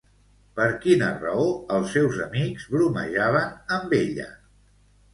Per quina raó els seus amics bromejaven amb ella?